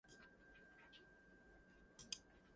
Akinetors correspond to pseudotensors in standard nomenclature.